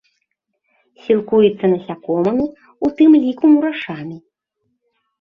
Сілкуецца насякомымі, у тым ліку мурашамі.